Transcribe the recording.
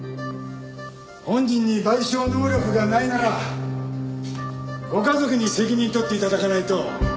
本人に賠償能力がないならご家族に責任取って頂かないと。